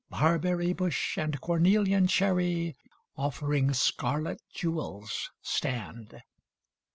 Barberry bush and cornelian cherry Offering scarlet jewels stand.